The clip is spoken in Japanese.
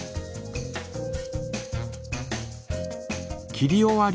切り終わり。